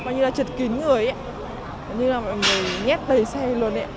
coi như là trật kín người ấy coi như là ngồi nhét đầy xe luôn ấy